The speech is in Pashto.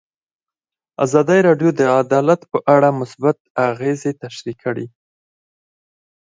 ازادي راډیو د عدالت په اړه مثبت اغېزې تشریح کړي.